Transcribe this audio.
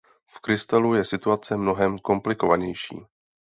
V krystalu je situace mnohem komplikovanější.